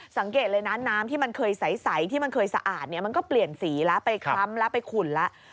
สังเกตี่มันเคยใสที่มันเคยสะอาดก็เปลี่ยนสีแล้วไปคล้ำไปขุนแล้ว